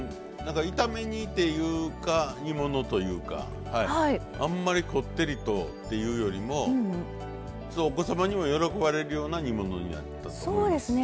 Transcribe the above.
炒め煮っていうか煮物というかあんまりこってりとっていうよりもお子様にも喜ばれるような煮物になってます。